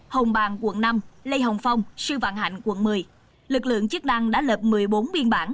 hồng bàng quận năm lê hồng phong sư vạn hạnh quận một mươi lực lượng chức năng đã lập một mươi bốn biên bản